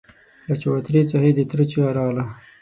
له چوترې څخه يې د تره چيغه راغله!